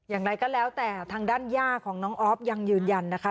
อย่างไรก็แล้วแต่ทางด้านย่าของน้องออฟยังยืนยันนะคะ